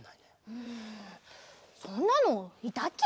うんそんなのいたっけ？